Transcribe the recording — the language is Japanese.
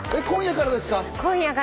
今夜からです。